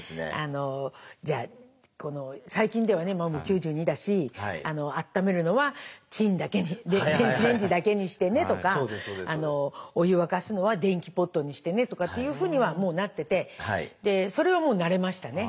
じゃあ最近ではもう９２だしあっためるのは「チン」だけに電子レンジだけにしてねとかお湯沸かすのは電気ポットにしてねとかっていうふうにはもうなっててそれはもう慣れましたね。